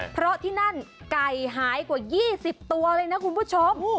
เพราะที่นั่นไก่หายกว่า๒๐ตัวเลยนะคุณผู้ชม